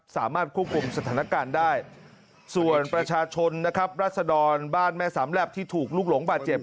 สามารถควบคุมสถานการณ์ได้ส่วนประชาชนนะครับรัศดรบ้านแม่สามแหลบที่ถูกลูกหลงบาดเจ็บ